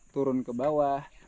turun ke bawah